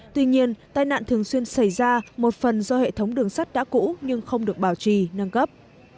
tuy nhiên tai nạn thường xuyên xảy ra một phần do hệ thống đường sắt đã cũ nhưng không được bảo trì nâng cấp